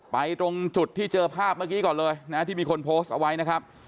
ตรงจุดที่เจอภาพเมื่อกี้ก่อนเลยนะที่มีคนโพสต์เอาไว้นะครับ